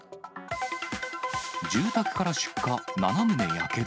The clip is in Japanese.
住宅から出火、７棟焼ける。